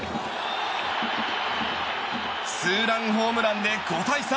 ツーランホームランで５対３。